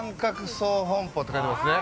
総本舖って書いてますね。